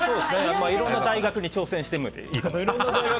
いろんな大学に挑戦してみてもいいかもしれない。